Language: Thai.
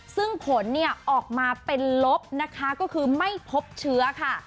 ซึ่งผลเนี่ยออกมาเป็นลบนะคะก็คือไม่พบเชื้อค่ะ